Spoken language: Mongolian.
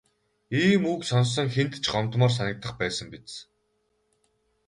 Ийм үг сонссон хэнд ч гомдмоор санагдах байсан биз.